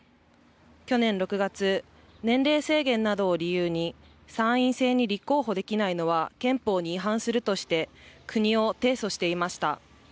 去年６月、年齢制限などを理由に、参院選に立候補できないのは憲法に違反するとして国を提訴していました。